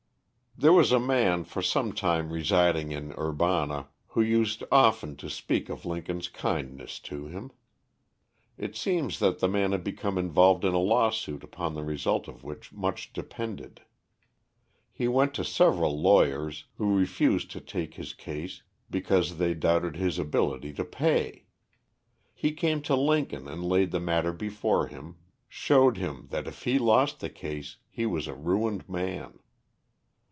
There was a man for some time residing in Urbana, who used often to speak of Lincoln's kindness to him. It seems that the man had become involved in a law suit upon the result of which much depended. He went to several lawyers, who refused to take his case because they doubted his ability to pay. He came to Lincoln and laid the matter before him, showed him that if he lost the case, he was a ruined man.